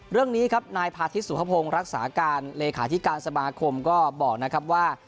เรื่องนี้ครับนายพาทิตสุภพงศ์รักษาการเลขาธิการสมาคมก็บอกนะครับว่า